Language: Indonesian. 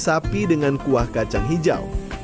sapi dengan kuah kacang hijau diolah khusus dengan bumbu rempah